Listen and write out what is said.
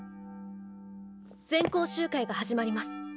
全校集会が始まります。